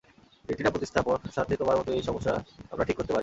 Retina প্রতিস্থাপন সাথে তোমার মতো এই সমস্যা আমরা ঠিক করতে পারি।